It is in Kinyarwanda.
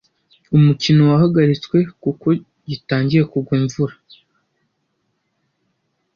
Umukino wahagaritswe kuko gitangiye kugwa imvura.